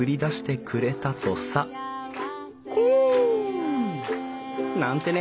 コン！なんてね